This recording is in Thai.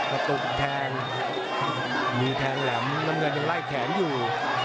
กระตุกแทงมีแทงแหลมน้ำเงินยังไล่แขนอยู่